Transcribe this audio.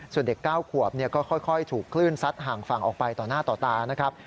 ส่วนเด็ก๙ขวบก็ค่อยถูกคลื่นซัดห่างฝั่งออกไปต่อหน้าต่อตานะครับ